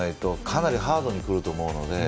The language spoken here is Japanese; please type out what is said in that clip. かなりハードに来ると思うので。